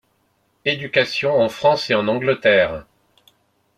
Éducation en France et en Angleterre.